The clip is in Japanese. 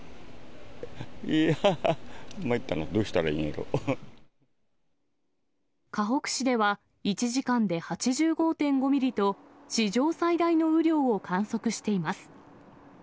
いやー、まいったな、どうしたらかほく市では１時間で８５．５ミリと、史上最大の雨量を観測しています。